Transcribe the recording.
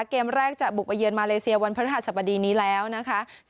เกมแรกจะบุกไปเยือนมาเลเซียวันพระฤหัสบดีนี้แล้วนะคะ